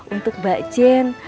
untuk mbak jen